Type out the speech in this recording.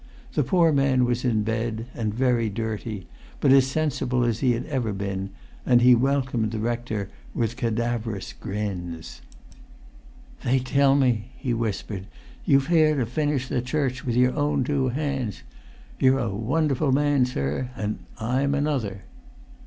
The poor man was in bed, and very dirty, but as sensible as he ever had been; and he welcomed the rector with cadaverous grins. "They tell me," he whispered, "you fare to finish the church with your own two hands. You're a wonderful man, sir—and I'm another."